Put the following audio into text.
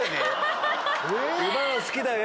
今の「好きだよ」